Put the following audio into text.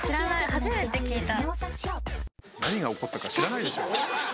初めて聞いた。